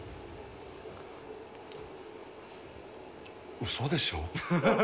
うそでしょ？